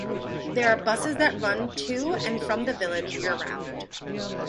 There are buses that run to and from the village year-round.